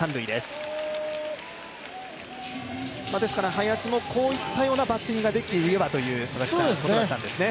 林もこういったようなバッティングができていればというところだったんですね。